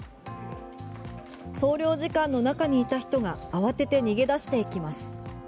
総領事館の中にいた人が慌てて逃げ出していきます。